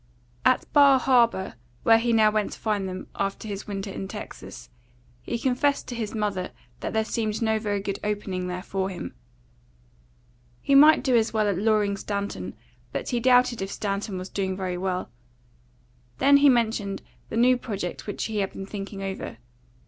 At Bar Harbour, where he now went to find them, after his winter in Texas, he confessed to his mother that there seemed no very good opening there for him. He might do as well as Loring Stanton, but he doubted if Stanton was doing very well. Then he mentioned the new project which he had been thinking over.